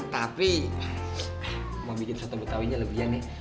tapi emak bikin soto betawi nya lebih aneh